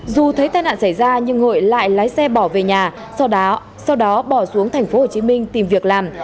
dù thấy tai nạn xảy ra nhưng hợi lại lái xe bỏ về nhà sau đó bỏ xuống tp hcm tìm việc làm